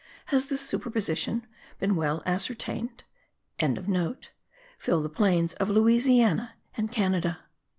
Has this superposition been well ascertained?) fill the vast plains of Louisiana and Canada.